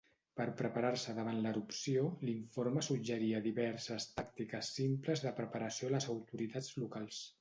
Per preparar-se davant l'erupció, l'informe suggeria diverses tàctiques simples de preparació a les autoritats locals.